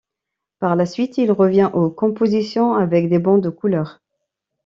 Par la suite, il revient aux compositions avec des bandes de couleur.